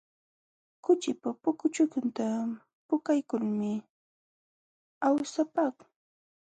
Kuchipa pukuchunta puukaykulmi awsapaakuu.